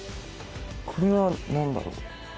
これは何だろう？